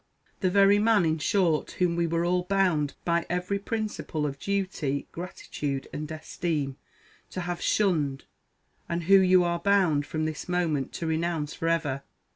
_ The very man, in short, whom we were all bound, by every principle of duty, gratitude, and esteem, to have shunned, and who you are _bound, _from this moment, to renounce for ever.